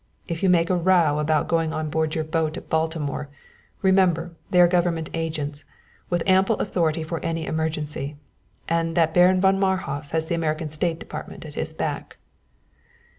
If you make a row about going on board your boat at Baltimore, remember they are government agents, with ample authority for any emergency, and that Baron von Marhof has the American State Department at his back."